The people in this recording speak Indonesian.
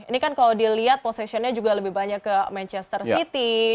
ini kan kalau dilihat positionnya juga lebih banyak ke manchester city